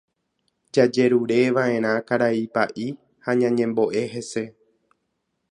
Jagueruva'erã karai Pa'i ha ñañembo'e hese.